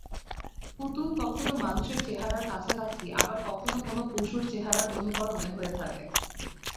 পুতুল কখনও মানুষের চেহারার কাছাকাছি আবার কখন কোনো পশুর চেহারার অনুকরণে হয়ে থাকে।